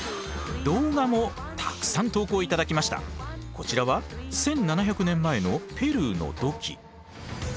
こちらは１，７００年前のペルーの土器。